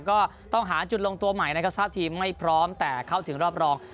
ก็ต้องหาจุดลงตัวใหม่นะครับสภาพทีมไม่พร้อมแต่เข้าถึงรอบรอง